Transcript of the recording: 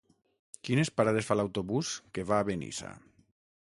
Quines parades fa l'autobús que va a Benissa?